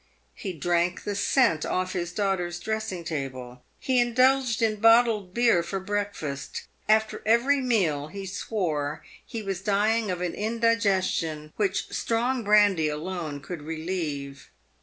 He drank the scent off his daughter's dressing table. He indulged in bottled beer for break fast. After every meal he swore he was dying of an indigestion which strong brandy alone could relieve.